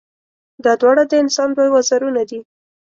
دا دواړه د انسان دوه وزرونه دي.